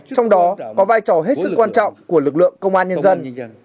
trong đó có vai trò hết sức quan trọng của lực lượng công an nhân dân